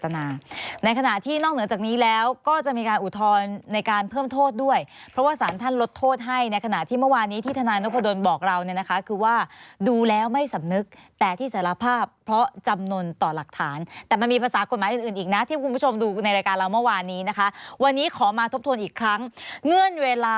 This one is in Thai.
ในขณะที่นอกเหนือจากนี้แล้วก็จะมีการอุทธรณ์ในการเพิ่มโทษด้วยเพราะว่าสารท่านลดโทษให้ในขณะที่เมื่อวานนี้ที่ทนายนพดลบอกเราเนี่ยนะคะคือว่าดูแล้วไม่สำนึกแต่ที่สารภาพเพราะจำนวนต่อหลักฐานแต่มันมีภาษากฎหมายอื่นอื่นอีกนะที่คุณผู้ชมดูในรายการเราเมื่อวานนี้นะคะวันนี้ขอมาทบทวนอีกครั้งเงื่อนเวลา